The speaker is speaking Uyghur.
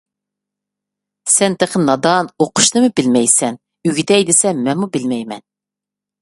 سەن تېخى نادان، ئوقۇشنىمۇ بىلمەيسەن. ئۆگىتەي دېسەم مەنمۇ بىلمەيمەن.